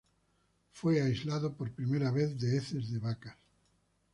Fue aislado por primera vez de heces de vacas.